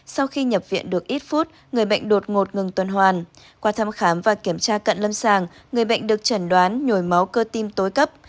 sau khi nhập viện được ít phút người bệnh đột ngột ngừng tuần hoàn qua thăm khám và kiểm tra cận lâm sàng người bệnh được chẩn đoán nhồi máu cơ tim tối cấp